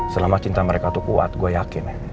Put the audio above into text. selama cinta mereka tuh kuat gue yakin